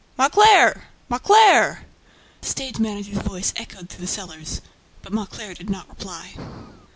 "Mauclair! Mauclair!" The stage manager's voice echoed through the cellars. But Mauclair did not reply.